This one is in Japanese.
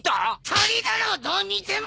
鳥だろどう見ても！